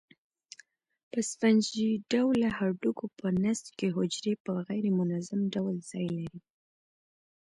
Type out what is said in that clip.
په سفنجي ډوله هډوکو په نسج کې حجرې په غیر منظم ډول ځای لري.